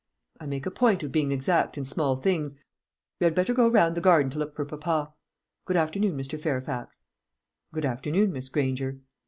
"I make a point of being exact in small things. We had better go round the garden to look for papa. Good afternoon, Mr. Fairfax." "Good afternoon, Miss Granger."